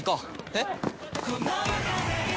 えっ？